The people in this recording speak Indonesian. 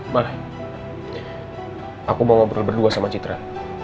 malah aku mau ngobrol berdua sama citra